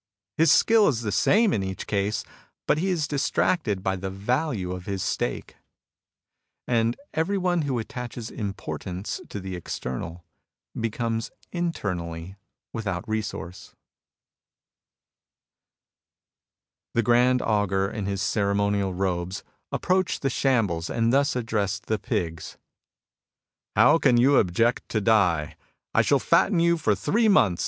His skill is the same in each case, but he is distracted by the value of his stake. And every one who attaches ' In which he keeps his loose cash. THE AUGUR AND THE PIGS 101 importance to the external, becomes internally without resource. The Grand Augur, in his ceremonial robes, approached the shambles and thus addressed the pigs :'' How can you object to die ? I shall fatten you for three months.